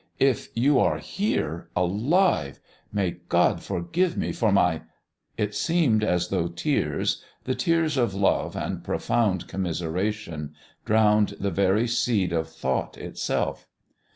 If you are here ... alive! May God forgive me for my ..." It seemed as though tears the tears of love and profound commiseration drowned the very seed of thought itself.